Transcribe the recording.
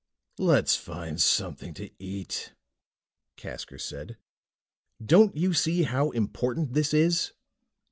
"Let's find something to eat," Casker said. "Don't you see how important this is?"